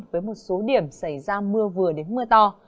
với một số điểm xảy ra mưa vừa đến mưa to